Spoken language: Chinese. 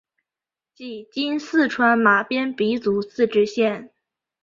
即今四川马边彝族自治县。